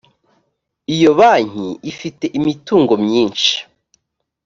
iyo banki ifite imitungo myinshi